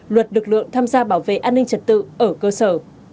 luật lực lượng tham gia bảo vệ an ninh trật tự ở cơ sở